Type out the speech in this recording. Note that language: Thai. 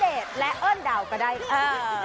เป็นท่านเดชและเอิ้นดาวก็ได้ค่ะ